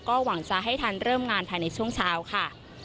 ก็หวังจะให้ทันเริ่มงานภายในช่วงเช้าค่ะ